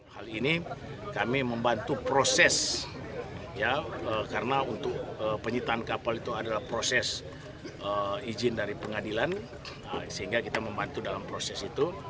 hal ini kami membantu proses karena untuk penyitaan kapal itu adalah proses izin dari pengadilan sehingga kita membantu dalam proses itu